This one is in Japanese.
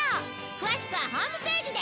詳しくはホームページで！